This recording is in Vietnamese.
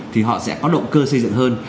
thì họ sẽ có động cơ xây dựng hơn